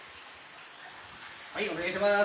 はいお願いします。